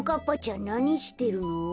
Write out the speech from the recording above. んなにしてるの？